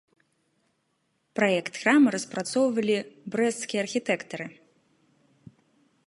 Праект храма распрацоўвалі брэсцкія архітэктары.